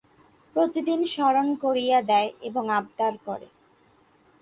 প্রতিদিন স্মরণ করাইয়া দেয় এবং আবদার করে।